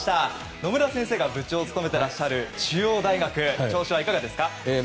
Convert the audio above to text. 野村先生が部長を務めていらっしゃる中央大学調子はいかがですか？